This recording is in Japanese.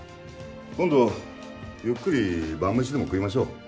今度ゆっくり晩メシでも食いましょう。